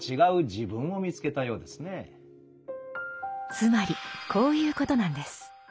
つまりこういうことなんです。